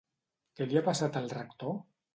Què li ha passat al Rector?